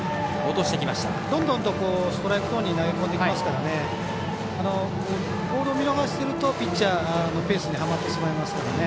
どんどんとストライクゾーンに投げ込んできますからボールを見逃しているとピッチャーのペースにはまってしまいますから。